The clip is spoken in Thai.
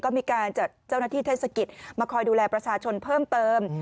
ก็มีการจัดเจ้าหน้าที่เทศกิจมาคอยดูแลประชาชนเพิ่มเติม